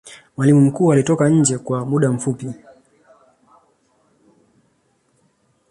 mwalimu mkuu alitoka nje kw muda mfupi